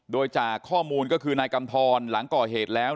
โดยจากข้อมูลก็คือนายกำทรหลังก่อเหตุแล้ว